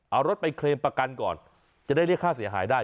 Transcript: เอารถไปเคลมประกันก่อนจะได้เรียกค่าเสียหายได้